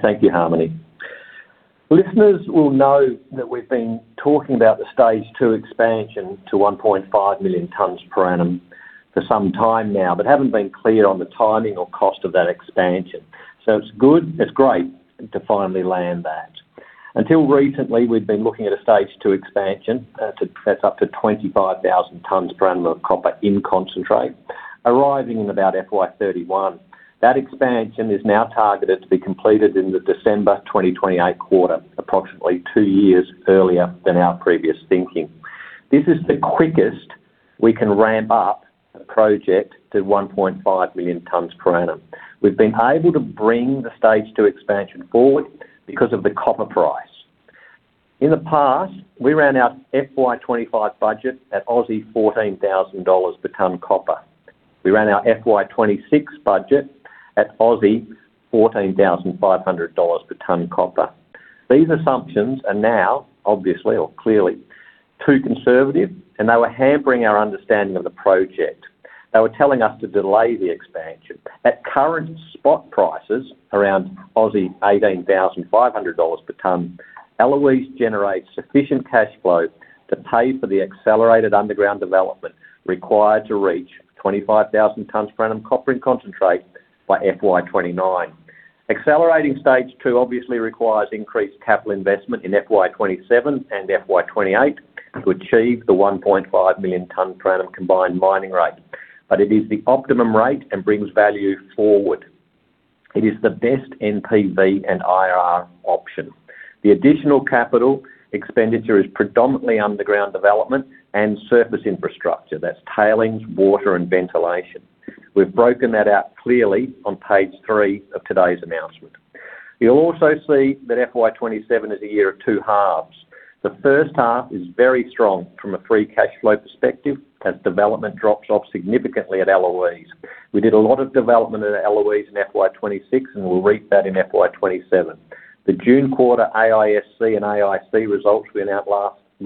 Thank you, Harmony. Listeners will know that we have been talking about the stage two expansion to 1.5 million tons/annum for some time now, but have not been clear on the timing or cost of that expansion. So it is great to finally land that. Until recently, we had been looking at a stage two expansion, that is up to 25,000 tons/annum of copper in concentrate, arriving in about FY 2031. That expansion is now targeted to be completed in the December 2028 quarter, approximately two years earlier than our previous thinking. This is the quickest we can ramp up a project to 1.5 million tons/annum. We have been able to bring the stage two expansion forward because of the copper price. In the past, we ran our FY 2025 budget at 14,000 Aussie dollars/ton copper. We ran our FY 2026 budget at 14,500 Aussie dollars/ton copper. These assumptions are now, obviously or clearly, too conservative, and they were hampering our understanding of the project. They were telling us to delay the expansion. At current spot prices around 18,500 Aussie dollars/ton, Eloise generates sufficient cash flow to pay for the accelerated underground development required to reach 25,000 tons/annum copper in concentrate by FY 2029. Accelerating stage two obviously requires increased capital investment in FY 2027 and FY 2028 to achieve the 1.5 million ton/annum combined mining rate. But it is the optimum rate and brings value forward. It is the best NPV and IRR option. The additional capital expenditure is predominantly underground development and surface infrastructure. That is tailings, water, and ventilation. We have broken that out clearly on page three of today's announcement. You will also see that FY 2027 is a year of two halves. The first half is very strong from a free cash flow perspective as development drops off significantly at Eloise. We did a lot of development at Eloise in FY 2026, and we will reap that in FY 2027. The June quarter AISC and AIC results we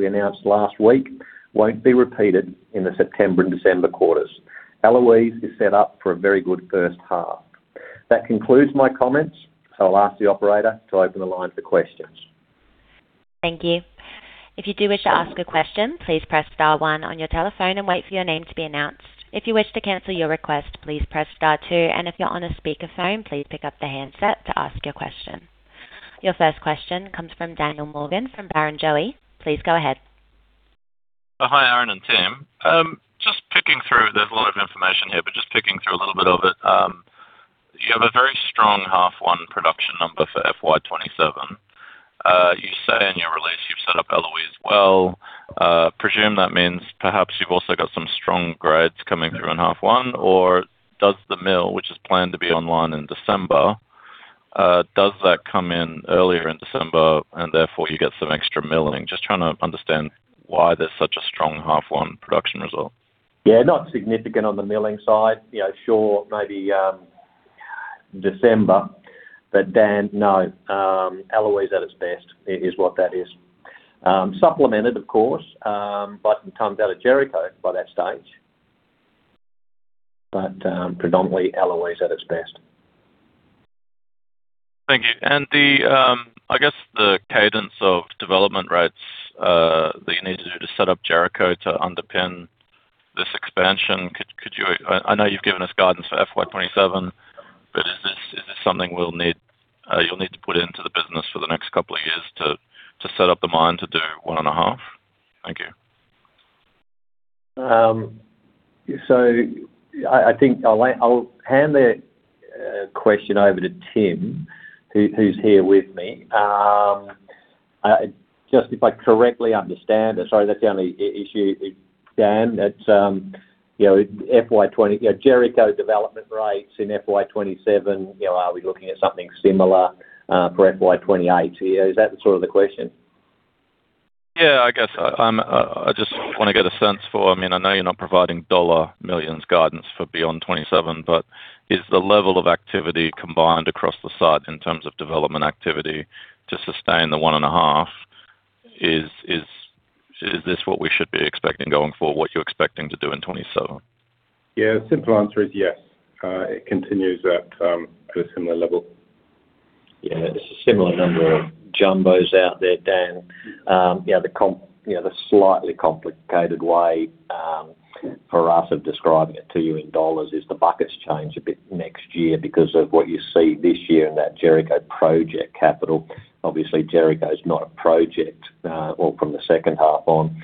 announced last week will not be repeated in the September and December quarters. Eloise is set up for a very good first half. That concludes my comments, so I will ask the operator to open the line for questions. Thank you. If you do wish to ask a question, please press star one on your telephone and wait for your name to be announced. If you wish to cancel your request, please press star two. If you are on a speakerphone, please pick up the handset to ask your question. Your first question comes from Daniel Morgan from Barrenjoey. Please go ahead. Hi, Aaron and Tim. There's a lot of information here, but just picking through a little bit of it. You have a very strong half one production number for FY 2027. You say in your release you've set up Eloise well. I presume that means perhaps you've also got some strong grades coming through in half one, or does the mill, which is planned to be online in December, come in earlier in December, and therefore you get some extra milling? Just trying to understand why there's such a strong half one production result. Not significant on the milling side. Sure, maybe December. Dan, no. Eloise at its best is what that is. Supplemented of course by the tons out of Jericho by that stage. Predominantly Eloise at its best. Thank you. I guess the cadence of development rates that you need to do to set up Jericho to underpin this expansion, I know you've given us guidance for FY 2027, is this something you'll need to put into the business for the next couple of years to set up the mine to do one and a half? Thank you. I think I'll hand the question over to Tim, who's here with me. Just if I correctly understand it, sorry, that's the only issue, Dan, Jericho development rates in FY 2027, are we looking at something similar for FY 2028 here? Is that the sort of the question? Yeah, I guess I just want to get a sense for it. I know you're not providing dollar millions guidance for beyond 2027, but is the level of activity combined across the site in terms of development activity to sustain the 1.5 million ton/annum? Is this what we should be expecting going forward, what you're expecting to do in 2027? The simple answer is yes. It continues at a similar level. There's a similar number of jumbos out there, Dan. The slightly complicated way for us of describing it to you in dollars is the buckets change a bit next year because of what you see this year in that Jericho project capital. Obviously, Jericho is not a project from the second half on.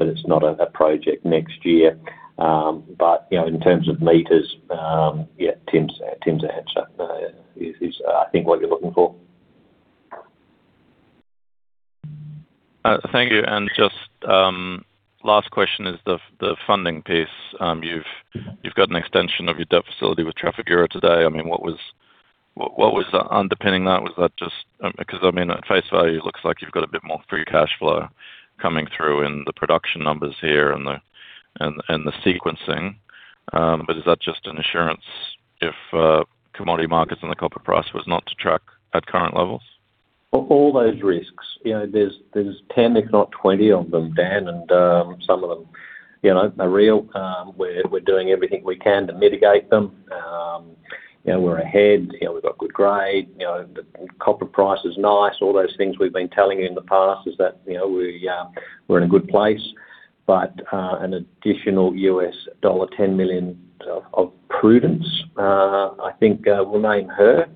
It's not a project next year. In terms of meters, Tim's answer is I think what you're looking for. Thank you, and just last question is the funding piece. You've got an extension of your debt facility with Trafigura today. What was underpinning that? At face value, it looks like you've got a bit more free cash flow coming through in the production numbers here and the sequencing. Is that just an assurance if commodity markets and the copper price was not to track at current levels? All those risks. There's 10, if not 20 of them, Dan. Some of them are real. We're doing everything we can to mitigate them. We're ahead. We've got good grade. The copper price is nice. All those things we've been telling you in the past is that we're in a good place. An additional $10 million of prudence, I think we'll name here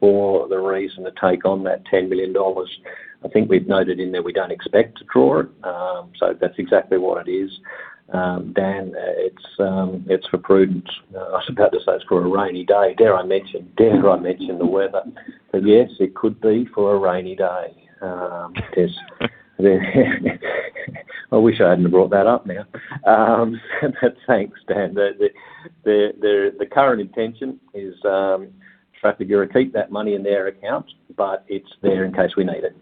for the reason to take on that $10 million. I think we've noted in there we don't expect to draw it. That's exactly what it is. Dan, it's for prudence. I was about to say it's for a rainy day. Dare I mention the weather? Yes, it could be for a rainy day. I wish I hadn't brought that up now. Thanks, Dan. The current intention is try to keep that money in their account, but it's there in case we need it.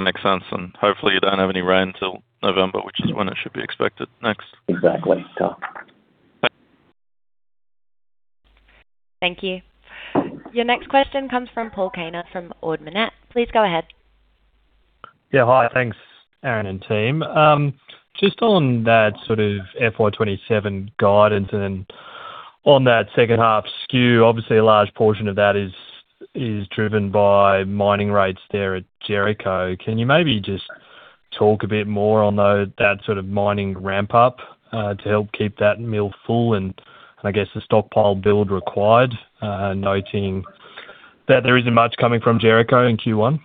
Makes sense. Hopefully you don't have any rain till November, which is when it should be expected next. Exactly. Thank you. Your next question comes from Paul Kaner from Ord Minnett. Please go ahead. Hi. Thanks, Aaron and team. Just on that sort of FY 2027 guidance and on that second half skew, obviously a large portion of that is driven by mining rates there at Jericho. Can you maybe just talk a bit more on that sort of mining ramp-up, to help keep that mill full and I guess the stockpile build required, noting that there isn't much coming from Jericho in Q1?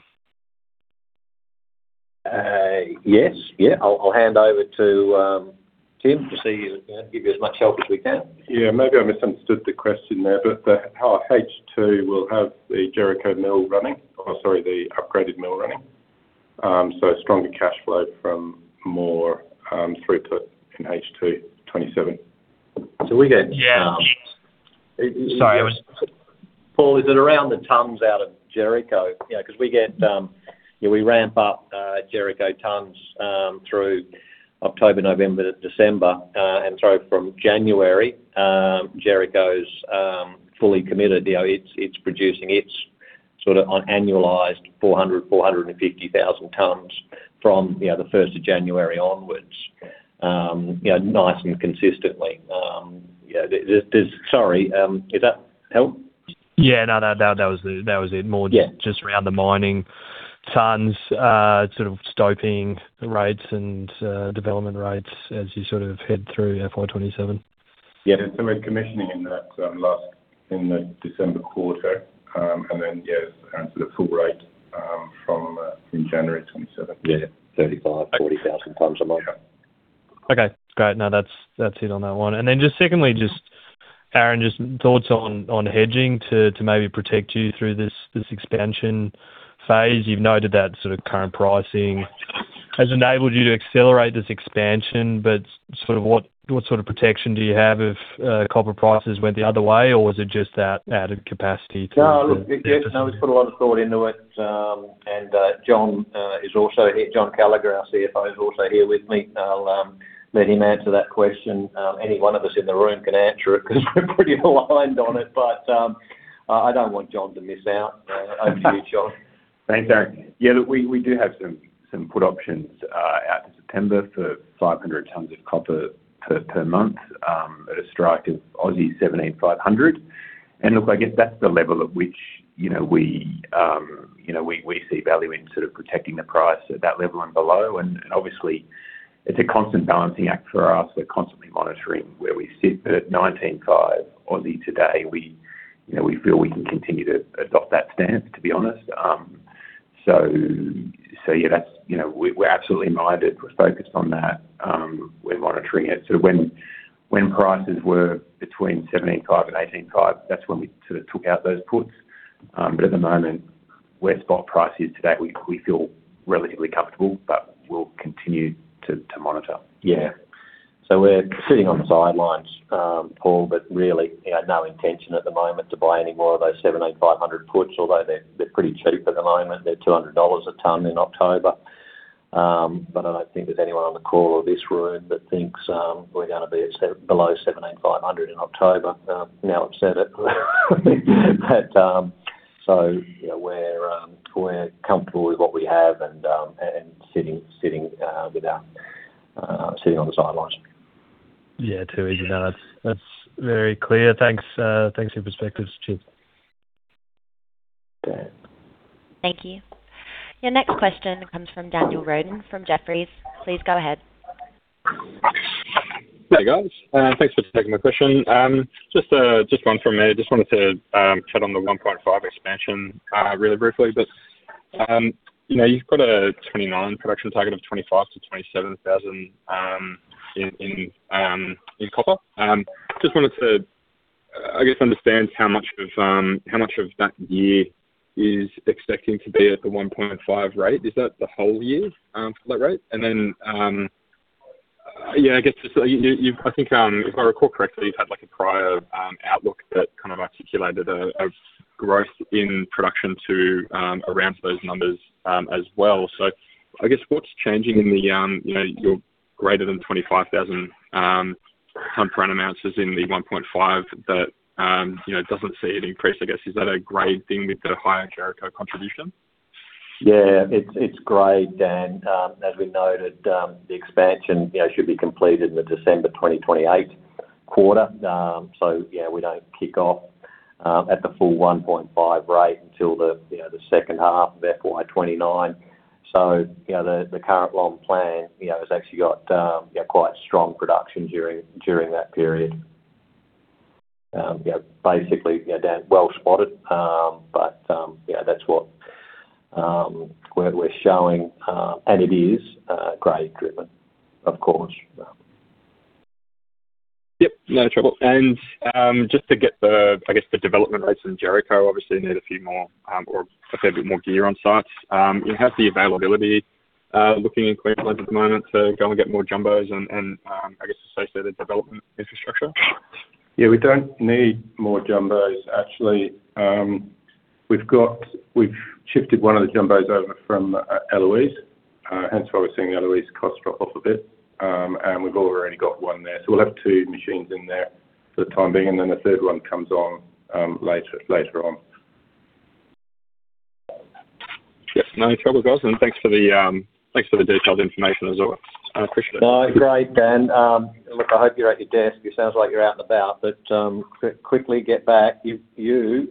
Yes. I'll hand over to Tim to see, give you as much help as we can. Maybe I misunderstood the question there, but the H2 will have the Jericho mill running, or sorry, the upgraded mill running. Stronger cash flow from more throughput in H2 2027. Paul, is it around the tons out of Jericho? Because we ramp up Jericho tons through October, November, December. From January, Jericho's fully committed. It's producing its sort of annualized 400,000-450,000 tons from the 1st of January onwards. Nice and consistently. Does that help? Yeah. That was it, just around the mining tons, sort of stoping the rates and development rates as you sort of head through FY 2027. We're commissioning in the December quarter. Full rate from January 2027. 35,000-40,000 tons a month. Great. That's it on that one. Secondly, Aaron, thoughts on hedging to maybe protect you through this expansion phase. You've noted that current pricing has enabled you to accelerate this expansion. What sort of protection do you have if copper prices went the other way? Was it just that added capacity? We've put a lot of thought into it. John is also here. John Callagher, our CFO, is also here with me. I'll let him answer that question. Any one of us in the room can answer it because we're pretty aligned on it. I don't want John to miss out. Over to you, John. Thanks, Aaron. We do have some put options out to September for 500 tons of copper/month, at a strike of 17,500. I guess that's the level at which we see value in sort of protecting the price at that level and below. Obviously, it's a constant balancing act for us. We're constantly monitoring where we sit. At 19,500 today, we feel we can continue to adopt that stance, to be honest. We're absolutely minded. We're focused on that. We're monitoring it. When prices were between 17,500 and 18,500, that's when we sort of took out those puts. At the moment, where spot price is today, we feel relatively comfortable, but we'll continue to monitor. We're sitting on the sidelines, Paul, but really no intention at the moment to buy any more of those 17,500 puts, although they're pretty cheap at the moment. They're 200 dollars/ton in October. I don't think there's anyone on the call or this room that thinks we're going to be below 17,500 in October. Now, I've said it. We're comfortable with what we have and sitting on the sidelines. Too easy. That's very clear. Thanks. Thanks for your perspectives, too. Thanks, Paul. Thank you. Your next question comes from Daniel Roden from Jefferies. Please go ahead. Hey, guys. Thanks for taking my question. Just one from me. I just wanted to chat on the 1.5 million ton/annum expansion really briefly. You've got a 2029 production target of 25,000-27,000 tons in copper. I just wanted to, I guess, understand how much of that year is expecting to be at the 1.5 million ton/annum rate. Is that the whole year for that rate? I think, if I recall correctly, you've had like a prior outlook that kind of articulated a growth in production to around those numbers as well. I guess, what's changing in your greater than 25,000 tons/annum announces in the 1.5 million ton/annum that doesn't see any increase? I guess, is that a grade thing with the higher Jericho contribution? Yeah, it's grade, Dan. As we noted, the expansion should be completed in the December 2028 quarter. We don't kick off at the full 1.5 million ton/annum rate until the second half of FY 2029. The current long plan has actually got quite strong production during that period. Basically, Dan, well spotted, but that's what we're showing, and it is grade driven, of course. No trouble. The development rates in Jericho, obviously need a few more or a fair bit more gear on sites. You have the availability looking in Queensland at the moment to go and get more jumbos and, I guess, associate the development infrastructure. We don't need more jumbos, actually. We've shifted one of the jumbos over from Eloise. Hence why we're seeing Eloise costs drop off a bit. We've already got one there. We'll have two machines in there for the time being, and then a third one comes on later on. No trouble, guys. Thanks for the detailed information as always. I appreciate it. Great, Dan. I hope you're at your desk. It sounds like you're out and about, quickly get back. You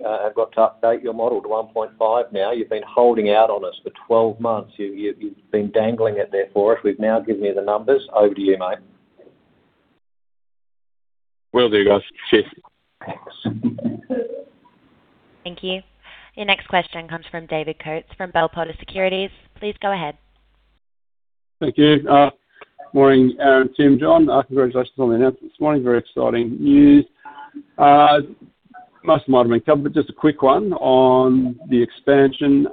have got to update your model to 1.5 million ton/annum now. You've been holding out on us for 12 months. You've been dangling it there for us. We've now given you the numbers. Over to you, mate. Will do, guys. Cheers. Thanks. Thank you. Your next question comes from David Coates from Bell Potter Securities. Please go ahead. Thank you. Morning, Aaron, Tim, John. Congratulations on the announcement this morning. Very exciting news. Most of them might have been covered, but just a quick one on the expansion.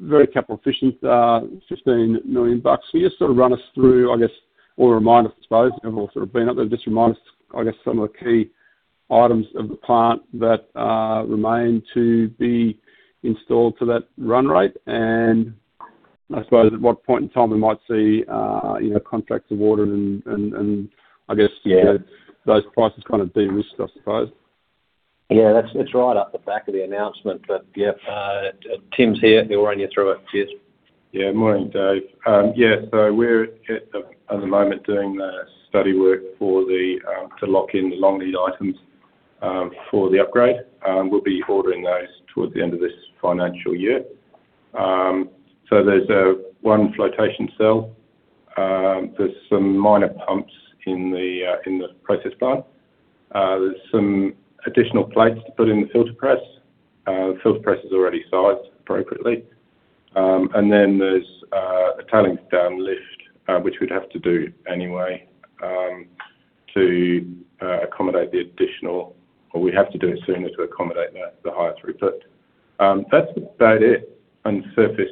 Very capital efficient, 15 million bucks. Can you just sort of run us through, I guess, or remind us, I suppose, we've all sort of been up there, but just remind us, I guess, some of the key items of the plant that remain to be installed for that run rate. I suppose at what point in time we might see contracts awarded and, I guess, those prices kind of de-risked, I suppose. That's right up the back of the announcement. Tim's here. He'll run you through it. Cheers. Morning, Dave. We're at the moment doing the study work to lock in the long lead items for the upgrade. We'll be ordering those towards the end of this financial year. There's one flotation cell. There's some minor pumps in the process plant. There's some additional plates to put in the filter press. The filter press is already sized appropriately. There's a tailings dam lift, which we'd have to do anyway to accommodate the additional or we have to do it sooner to accommodate the higher throughput. That's about it on surface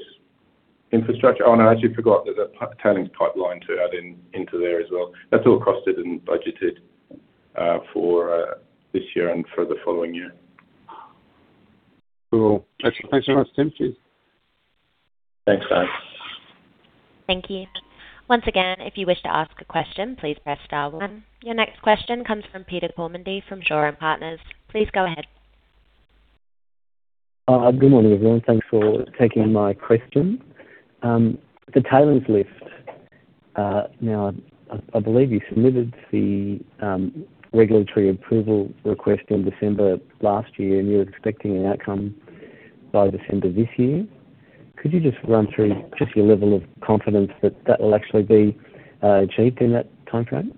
infrastructure. Oh, no, I actually forgot. There's a tailings pipeline to add into there as well. That's all costed and budgeted for this year and for the following year. Cool. Thanks a lot, Tim. Cheers. Thanks, Dave. Thank you. Once again, if you wish to ask a question, please press star one. Your next question comes from Peter Kormendy from Shaw and Partners. Please go ahead. Good morning, everyone. Thanks for taking my question. The tailings lift. I believe you submitted the regulatory approval request in December last year, and you're expecting an outcome by December this year. Could you just run through your level of confidence that that will actually be achieved in that timeframe?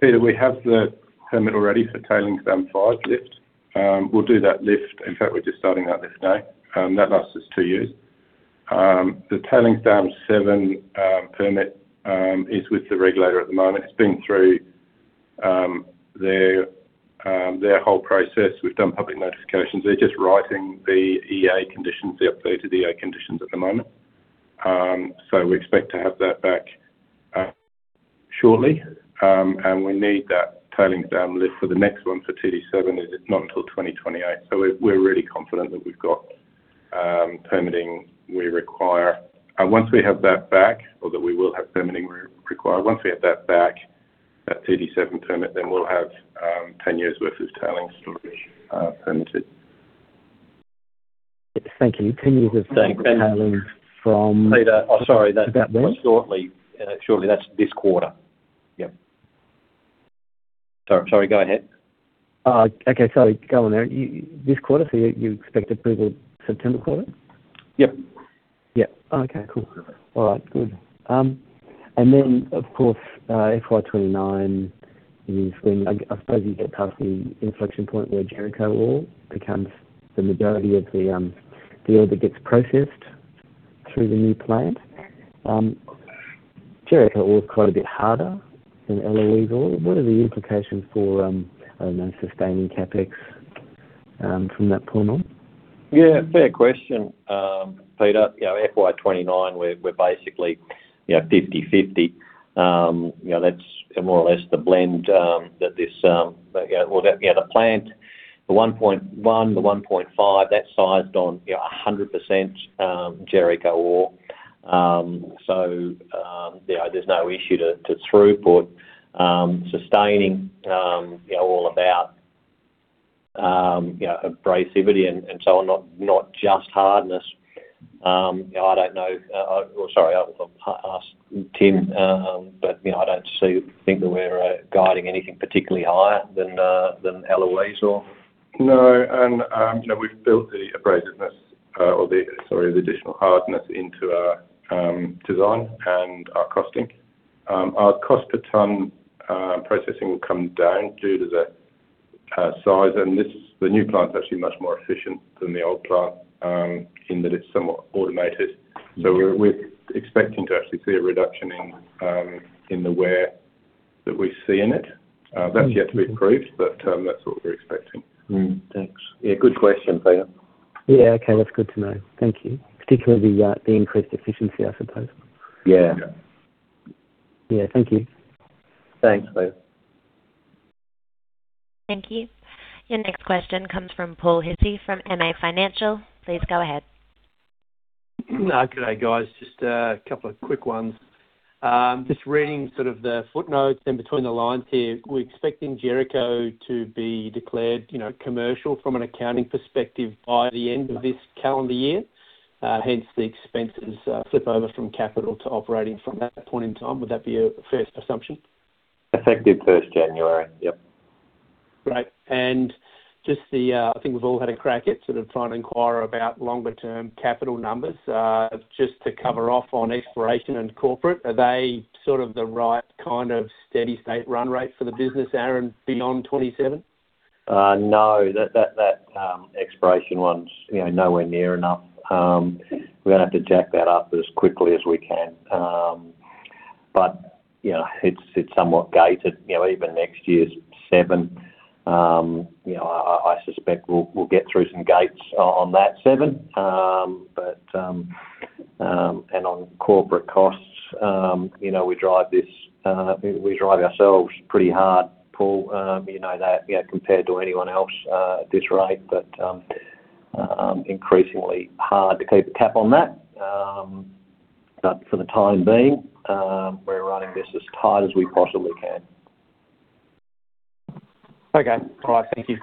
Peter, we have the permit already for tailings dam five lift. We'll do that lift. In fact, we're just starting that this day. That lasts us two years. The tailings dam seven permit is with the regulator at the moment. It's been through their whole process. We've done public notifications. They're just writing the EA conditions, the updated EA conditions at the moment. We expect to have that back shortly. We need that tailings dam lift for the next one for TD7, as it's not until 2028. We're really confident that we've got the permitting we require. Once we have that back or that we will have permitting we require, once we have that back, that TD7 permit, then we'll have 10 years worth of tailings storage permitted. Thank you. 10 years of tailings from- Peter, sorry.... about when? Shortly. That's this quarter. Sorry, go ahead. Sorry. Go on, Aaron. This quarter? You expect approval September quarter? Yep. Cool. All right. Good. Then, of course, FY 2029 is when, I suppose, you get past the inflection point where Jericho ore becomes the majority of the ore that gets processed through the new plant. Jericho ore is quite a bit harder than Eloise ore. What are the implications for, I don't know, sustaining CapEx from that point on? Fair question, Peter. FY 2029, we're basically 50/50. That's more or less the blend that the plant. The 1.5 million ton/annum, that's sized on 100% Jericho ore. There's no issue to throughput. Sustaining, all about abrasivity and so on, not just hardness. I don't know. Well, sorry, I'll ask Tim. I don't think that we're guiding anything particularly higher than Eloise ore. No, we've built the abrasiveness or the, sorry, the additional hardness into our design and our costing. Our cost per ton processing will come down due to that size. The new plant is actually much more efficient than the old plant, in that it's somewhat automated. We're expecting to actually see a reduction in the wear that we see in it. That's yet to be proved, but that's what we're expecting. Thanks. Good question, Peter. That's good to know. Thank you. Particularly the increased efficiency, I suppose. Thank you. Thanks, Peter. Thank you. Your next question comes from Paul Hissey from MA Financial. Please go ahead. Good day, guys. Just a couple of quick ones. Just reading sort of the footnotes in between the lines here. We're expecting Jericho to be declared commercial from an accounting perspective by the end of this calendar year, hence the expenses flip over from capital to operating from that point in time. Would that be a fair assumption? Effective first January. Yep. Great. I think we've all had a crack at sort of trying to inquire about longer term capital numbers. Just to cover off on exploration and corporate, are they sort of the right kind of steady state run rate for the business, Aaron, beyond 2027? No. That exploration one's nowhere near enough. We're gonna have to jack that up as quickly as we can. It's somewhat gated. Even next year's TD7, I suspect we'll get through some gates on that TD7. On corporate costs, we drive ourselves pretty hard, Paul. You know that compared to anyone else at this rate, increasingly hard to keep a cap on that. For the time being, we're running this as tight as we possibly can. All right. Thank you.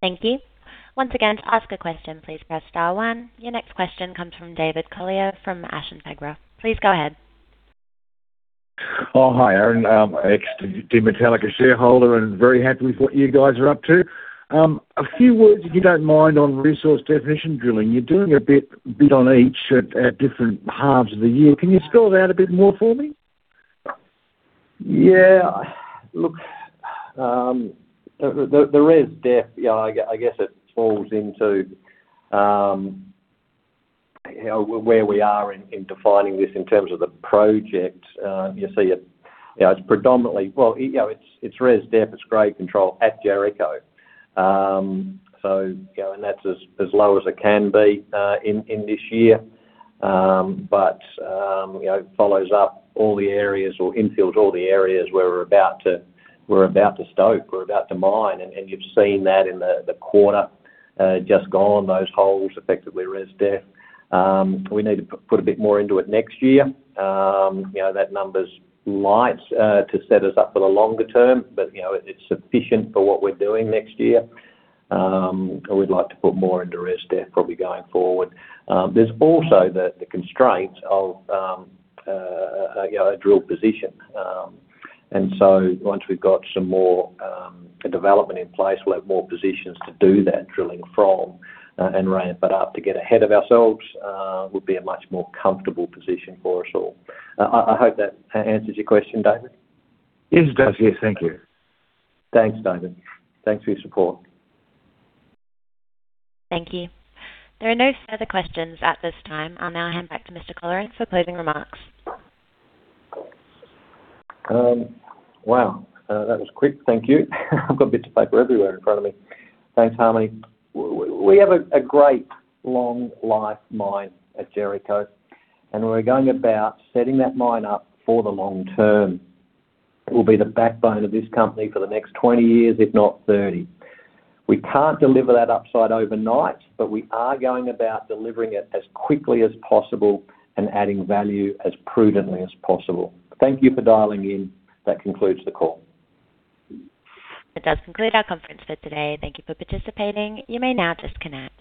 Thank you. Once again, to ask a question, please press star one. Your next question comes from [David Collier] from [Ashington Group]. Please go ahead. Hi, Aaron. Ex-Demetallica shareholder and very happy with what you guys are up to. A few words, if you don't mind, on resource definition drilling. You're doing a bit on each at different halves of the year. Can you spell it out a bit more for me? Look, the resource definition, I guess it falls into where we are in defining this in terms of the project. You see it's predominantly, it's resource definition, it's grade control at Jericho. That's as low as it can be in this year. It follows up all the areas or infills all the areas where we're about to stope, we're about to mine, and you've seen that in the quarter just gone, those holes, effectively resource definition. We need to put a bit more into it next year. That number's light to set us up for the longer term, but it's sufficient for what we're doing next year. We'd like to put more into resource definition probably going forward. There's also the constraints of a drill position. Once we've got some more development in place, we'll have more positions to do that drilling from and ramp it up to get ahead of ourselves, would be a much more comfortable position for us all. I hope that answers your question, David. Yes, it does. Yes, thank you. Thanks, David. Thanks for your support. Thank you. There are no further questions at this time. I'll now hand back to Mr. Colleran for closing remarks. Wow, that was quick. Thank you. I've got bits of paper everywhere in front of me. Thanks, Harmony. We have a great long-life mine at Jericho. We're going about setting that mine up for the long term. It will be the backbone of this company for the next 20 years, if not 30 years. We can't deliver that upside overnight. We are going about delivering it as quickly as possible and adding value as prudently as possible. Thank you for dialing in. That concludes the call. That does conclude our conference for today. Thank you for participating. You may now disconnect.